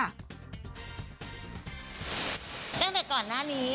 ตั้งแต่ก่อนหน้านี้